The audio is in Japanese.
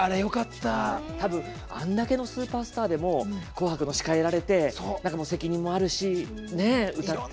たぶんあれだけのスーパースターでも「紅白」の司会をやられて責任もあるし歌って。